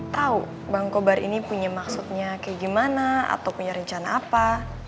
tahu bang kobar ini punya maksudnya kayak gimana atau punya rencana apa